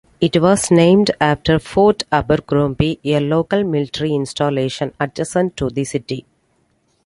It was named after Fort Abercrombie, a local military installation adjacent to the city.